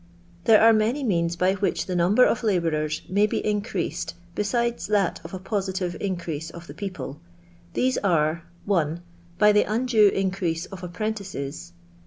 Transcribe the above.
There are many means by which the number of labourers may be increased besides that of a positive increase of the people. These are — 1. By the undue increase of apprentices.